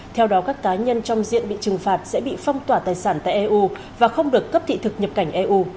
theo đó các cá nhân trong diện bị trừng phạt sẽ bị phong tỏa tài sản tại eu và không được cấp thị thực nhập cảnh eu